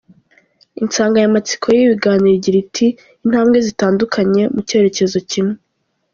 Insanganyamatsiko y’ibi biganiro igira iti ‘intambwe zitandukanye, mu cyerekezo kimwe’.